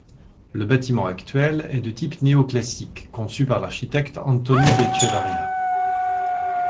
Le bâtiment actuel est de type néoclassique conçu par l'architecte Antonio de Echevarria.